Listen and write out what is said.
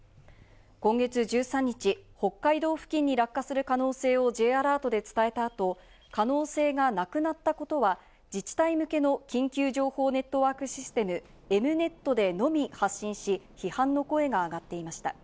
今月１３日、北海道付近に落下する可能性をＪアラートで伝えた後、可能性がなくなったことは自治体向けの緊急情報ネットワークシステム、エムネットでのみ発信し、批判の声が上がっていました。